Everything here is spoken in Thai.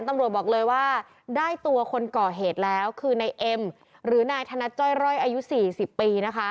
ตำรวจบอกเลยว่าได้ตัวคนก่อเหตุแล้วคือนายเอ็มหรือนายธนัดจ้อยร่อยอายุ๔๐ปีนะคะ